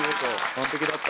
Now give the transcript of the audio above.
完璧だった。